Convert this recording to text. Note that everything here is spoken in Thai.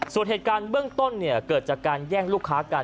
ส่วนเหตุการณ์เบื้องต้นเกิดจากการแย่งลูกค้ากัน